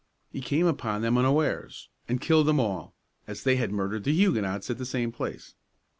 He came upon them unawares, and killed them all, as they had murdered the Huguenots at the same place.